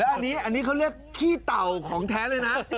อันนี้เขาเรียกขี้เต่าของแท้เลยนะ